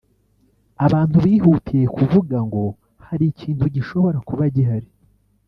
Abantu bihutiye kuvuga ngo hari ikintu gishobora kuba gihari